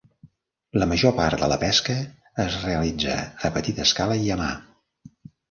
La major part de la pesca es realitza a petita escala i a mà.